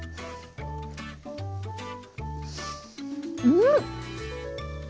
うん！